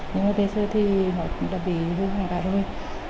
nhưng mà bây giờ thì họ cũng đã bị buồn hoàn cả đôi